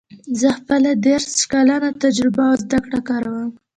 زه خپله دېرش کلنه تجربه او زده کړه کاروم